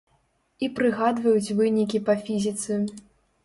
І прыгадваюць вынікі па фізіцы.